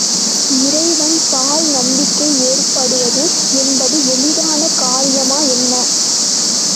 இறைவன் பால் நம்பிக்கை ஏற்படுவது என்பது எளிதான காரியமா என்ன.